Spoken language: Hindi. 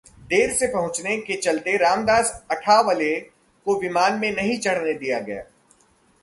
देर से पहुंचने के चलते रामदास अठावले को विमान में नहीं चढ़ने दिया गया